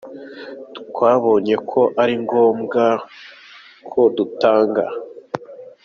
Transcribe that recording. Twabonye ko ari ngombwa ko dutanga.